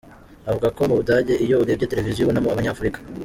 Avuga ko mu Budage, iyo urebye Televiziyo ubonamo abanyafurika .